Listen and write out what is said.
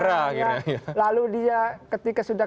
lalu dia ketika sudah